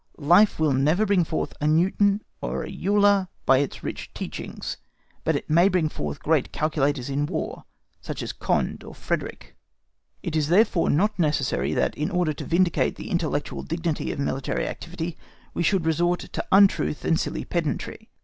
Life will never bring forth a Newton or an Euler by its rich teachings, but it may bring forth great calculators in War, such as Condé or Frederick. It is therefore not necessary that, in order to vindicate the intellectual dignity of military activity, we should resort to untruth and silly pedantry.